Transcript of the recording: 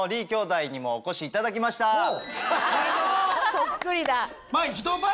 そっくりだ。